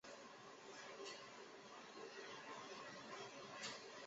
结果不少书迷都认为这种结局相当失败。